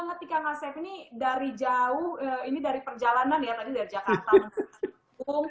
seperti kang asep ini dari jauh ini dari perjalanan ya tadi dari jakarta